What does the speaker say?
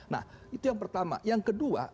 nah itu yang pertama yang kedua